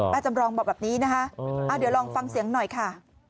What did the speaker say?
จำรองบอกแบบนี้นะคะเดี๋ยวลองฟังเสียงหน่อยค่ะ